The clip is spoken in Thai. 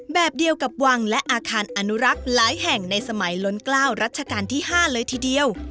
แบบเดียวกับวังและอาคารอนุรักษ์หลายแห่งในสมัยล้นกล้าวรัชกาลที่๕เลยทีเดียว